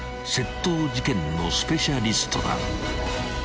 ［窃盗事件のスペシャリストだ］